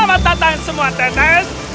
selamat datang semua tetes